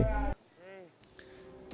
tỉnh bắc giang